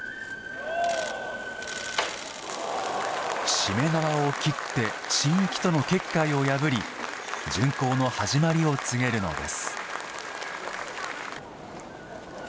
しめ縄を切って神域との結界を破り巡行の始まりを告げるのです。